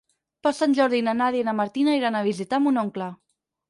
Per Sant Jordi na Nàdia i na Martina iran a visitar mon oncle.